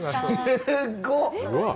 すごっ！